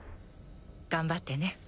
頑張ってね。